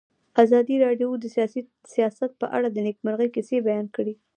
ازادي راډیو د سیاست په اړه د نېکمرغۍ کیسې بیان کړې.